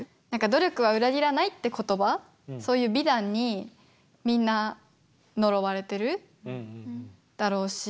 努力は裏切らないって言葉そういう美談にみんな呪われてるだろうし。